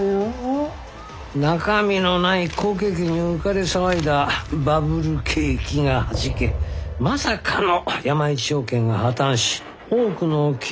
中身のない好景気に浮かれ騒いだバブル景気がはじけまさかの山一証券が破綻し多くの企業が潰れた。